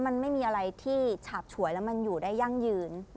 มันไม่มีอะไรที่ฉาบฉวยแล้วมันอยู่ได้ยั่งยืน